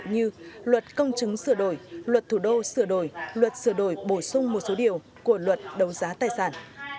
như luật công chứng sửa đổi luật thủ đô sửa đổi luật sửa đổi bổ sung một số điều của luật đấu giá tài sản